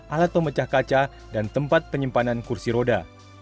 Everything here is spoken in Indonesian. alat pemecah kaca dan tempat penyimpanan kursi roda